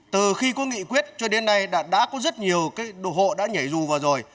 từ khi có nghị quyết cho đến nay đã có rất nhiều hộ đã nhảy rù vào rồi